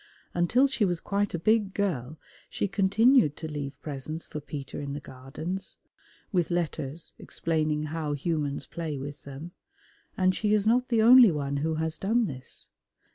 Until she was quite a big girl she continued to leave presents for Peter in the Gardens (with letters explaining how humans play with them), and she is not the only one who has done this.